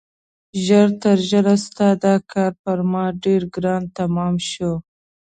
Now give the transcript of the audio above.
ژر تر ژره ستا دا کار پر ما ډېر ګران تمام شو.